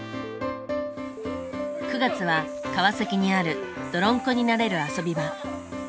９月は川崎にあるどろんこになれる遊び場。